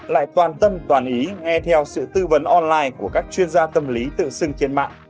lại toàn tâm toàn ý nghe theo sự tư vấn online của các chuyên gia tâm lý tự xưng trên mạng